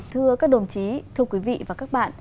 thưa các đồng chí thưa quý vị và các bạn